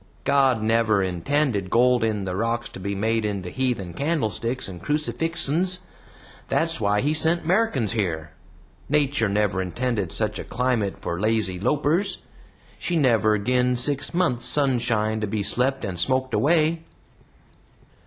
"God never intended gold in the rocks to be made into heathen candlesticks and crucifixens. That's why he sent 'Merrikans here. Nater never intended such a climate for lazy lopers. She never gin six months' sunshine to be slept and smoked away."